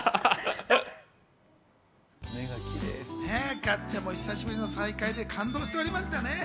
かっちゃんも久しぶりの再会で感動していましたね。